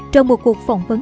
trong một cuộc phỏng vấn